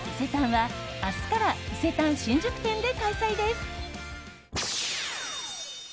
は明日から伊勢丹新宿店で開催です。